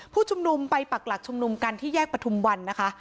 ผู้ชุมนุมไปปักหลักชุมนุมกันที่แยกประทุมวันนะคะ